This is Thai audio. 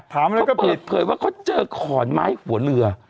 ถามอะไรก็ปิดเผยว่าเขาเจอขอนไม้หัวเรือ